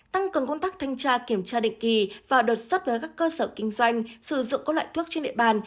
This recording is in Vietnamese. tăng cường công tác thanh tra kiểm tra định kỳ và đột xuất với các cơ sở kinh doanh sử dụng các loại thuốc trên địa bàn